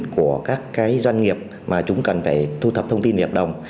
của các cái doanh nghiệp mà chúng cần phải thu thập thông tin về hợp đồng